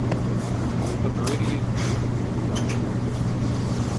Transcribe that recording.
With the meridian you reach Kufstein.